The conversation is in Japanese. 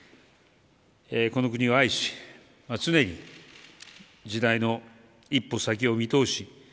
この国を愛し常に時代の一歩先を見通し